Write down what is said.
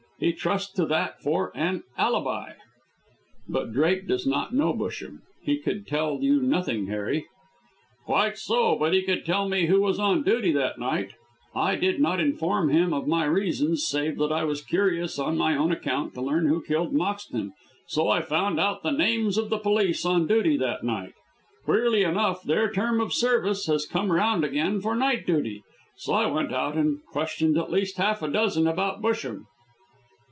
He trusts to that for an alibi." "But Drake does not know Busham; he could tell you nothing, Harry." "Quite so, but he could tell me who was on duty on that night. I did not inform him of my reasons, save that I was curious on my own account to learn who killed Moxton, so I found out the names of the police on duty that night. Queerly enough their term of service has come round again for night duty, so I went out and questioned at least half a dozen about Busham."